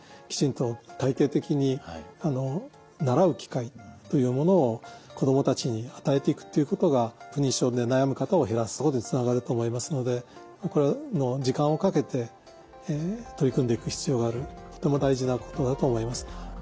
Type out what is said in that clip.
きちんと体系的に習う機会というものを子どもたちに与えていくということが不妊症で悩む方を減らすことにつながると思いますのでこれは時間をかけて取り組んでいく必要があるとても大事なことだと思います。